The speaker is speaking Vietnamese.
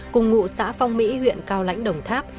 cùng ngụ xã phong mỹ huyện cao lãnh đồng tháp